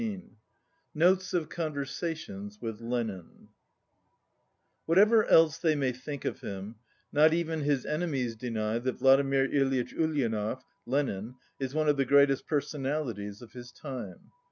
116 NOTES OF CONVERSATIONS WITH LENIN Whatever else they may think of him, not even his enemies deny that Vladimir Ilyitch Oulianov (Lenin) is one of the greatest personalities of his time.